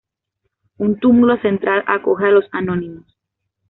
Un túmulo central acoge a los anónimos.